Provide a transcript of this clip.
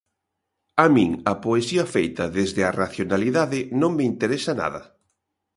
A min a poesía feita desde a racionalidade non me interesa nada.